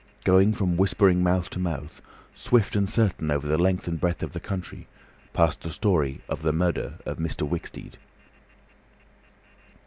Going from whispering mouth to mouth, swift and certain over the length and breadth of the country, passed the story of the murder of Mr. Wicksteed.